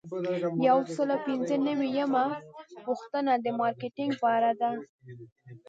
یو سل او پنځه نوي یمه پوښتنه د مارکیټینګ په اړه ده.